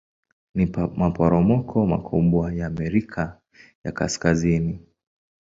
Ni maporomoko makubwa ya Amerika ya Kaskazini.